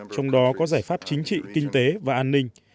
trong đó có giải pháp chính trị kinh tế và an ninh